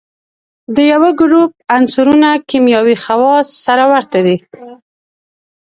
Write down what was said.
د یوه ګروپ عنصرونه کیمیاوي خواص سره ورته دي.